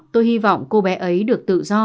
tôi hy vọng cô bé ấy được tự do